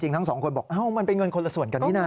ทั้งสองคนบอกมันเป็นเงินคนละส่วนกันนี่นะ